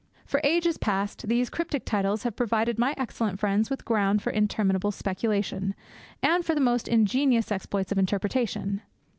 For ages past these cryptic titles have provided my excellent friends with ground for interminable speculation, and for the most ingenious exploits of interpretation.